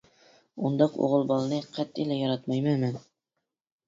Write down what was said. ئۇنداق ئوغۇل بالىنى قەتئىيلا ياراتمايمەن مەن.